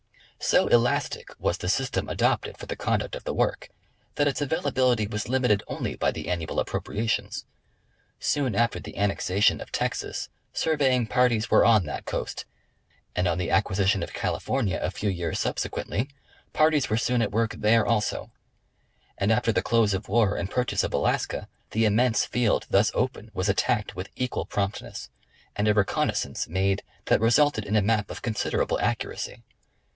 So elastic was the system adopted for the conduct of the work, that its availa bility was limited only by the annual appropriations. Soon after the annexation of Texas surveying parties were on that coast, and on the acquisition of California a few years subsequently parties were soon at work there also ; and after the close of the war and purchase of Alaska, the immense field thus opened was attacked with equal promptness, and a reconnaissance made that resulted in a map of considerable accuracy.